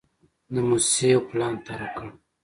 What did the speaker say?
د موسسې یو پلان طرحه کړ.